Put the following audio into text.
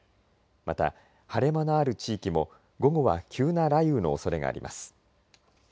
また、晴れ間のある地域も午後は急な雷雨のおそれがあります。